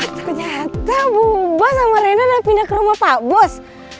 ternyata bu bos sama rena dan pindah ke rumah pak bos